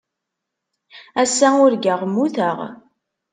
Ass-a, urgaɣ mmuteɣ.